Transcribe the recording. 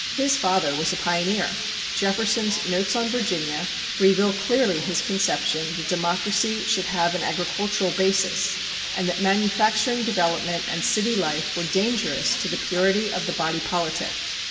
His father was a pioneer. Jefferson's "Notes on Virginia" reveal clearly his conception that democracy should have an agricultural basis, and that manufacturing development and city life were dangerous to the purity of the body politic.